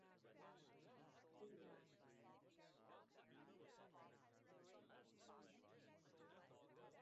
The fear of such charms is diffused all over North Africa.